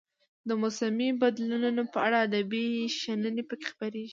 د موسمي بدلونونو په اړه ادبي شننې پکې خپریږي.